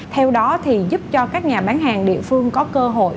theo đó thì giúp cho các nhà bán hàng địa phương có cơ hội